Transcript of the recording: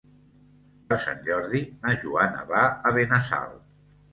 Per Sant Jordi na Joana va a Benassal.